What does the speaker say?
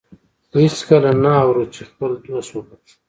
خو هېڅکله نه اورو چې خپل دوست وبخښو.